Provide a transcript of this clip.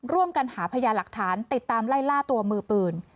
ร่วมกันหาพยาหลักฐานติดตามไล่ล่าตัวมือปืน